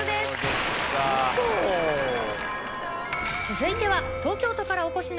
続いては。